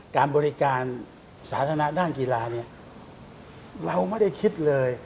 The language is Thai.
การบริการสาธารณะด้านกีฬาเนี่ยเราไม่ได้คิดเลย